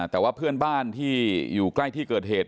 แต่ว่าเพื่อนบ้านที่อยู่ใกล้ที่เกิดเหตุ